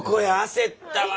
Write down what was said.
焦ったわ。